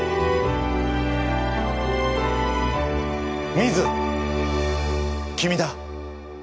ミズ君だ。